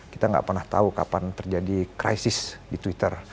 kita nggak pernah tahu kapan terjadi krisis di twitter